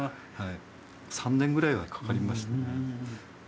３年ぐらいはかかりました。